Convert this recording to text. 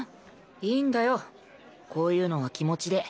いいんだよこういうのは気持ちで。